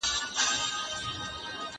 ته باید د هرو دوو خبرو ترمنځ منطق ولټوې.